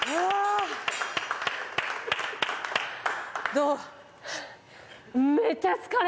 どう？